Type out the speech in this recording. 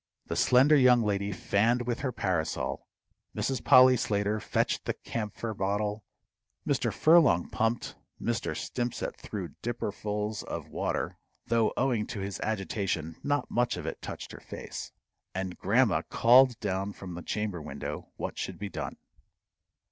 The slender young lady fanned with her parasol, Mrs. Polly Slater fetched the camphor bottle, Mr. Furlong pumped, Mr. Stimpcett threw dipperfuls of water though owing to his agitation not much of it touched her face and grandma called down from the chamber window what should be done.